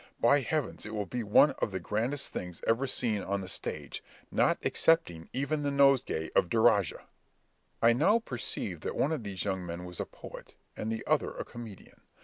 By heavens, it will be one of the grandest things ever seen on the stage, not excepting even the nosegay of Duraja!" I now perceived that one of these young men was a poet, and the other a comedian.